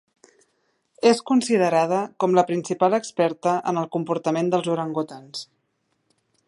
És considerada com la principal experta en el comportament dels orangutans.